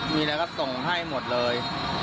มีอะไรก็ส่งให้หมดเลย